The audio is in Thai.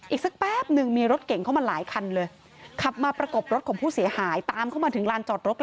อีกสักแป๊บหนึ่งมีรถเก่งเข้ามาหลายคันเลยขับมาประกบรถของผู้เสียหายตามเข้ามาถึงลานจอดรถเลย